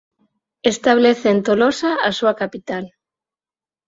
Establece en Tolosa a súa capital.